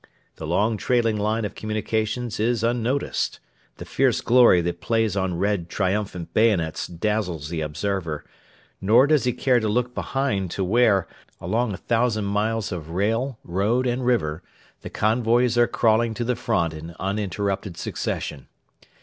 The long trailing line of communications is unnoticed. The fierce glory that plays on red, triumphant bayonets dazzles the observer; nor does he care to look behind to where, along a thousand miles of rail, road, and river, the convoys are crawling to the front in uninterrupted succession.